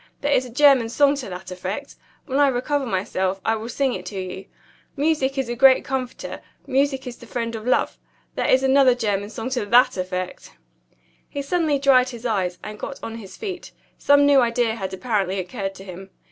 There is a German song to that effect. When I recover myself, I will sing it to you. Music is a great comforter; music is the friend of love. There is another German song to that effect." He suddenly dried his eyes, and got on his feet; some new idea had apparently occurred to him.